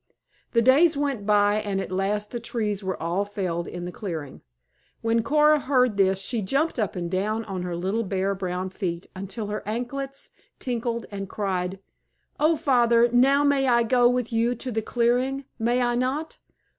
The days went by and at last the trees were all felled in the clearing. When Coora heard this she jumped up and down on her little bare brown feet until her anklets tinkled, and cried, "O Father! Now I may go with you to the clearing, may I not?